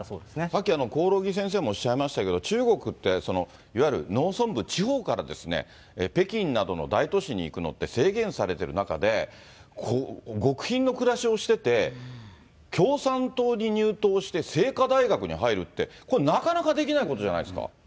さっき、興梠先生もおっしゃいましたけれども、中国って、いわゆる農村部、地方から北京などの大都市に行くのって、制限されてる中で、極貧の暮らしをしてて、共産党に入党して清華大学に入るって、これ、なかなかできないことじゃないですか？